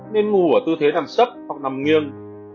nên ngủ ở tư thế nằm sấp hoặc nằm nghiêng